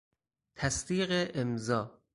تصدیق امضا